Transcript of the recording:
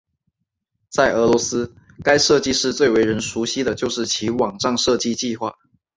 在俄罗斯该设计室最为人熟悉就是其网站设计计划。